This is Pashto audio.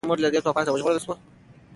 ایا موږ له دې طوفان څخه وژغورل شوو؟